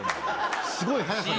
すごい速さで。